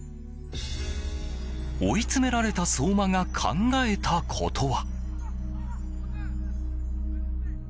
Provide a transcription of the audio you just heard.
追い詰められた相馬が考えたことは。